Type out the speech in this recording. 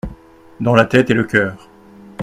Dans la tête et le cœur.